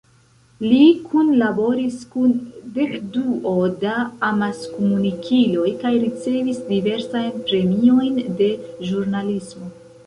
Li kunlaboris kun dekduo da amaskomunikiloj kaj ricevis diversajn premiojn de ĵurnalismo.